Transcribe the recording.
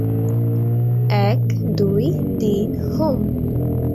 এক, দুই, তিন, হোম!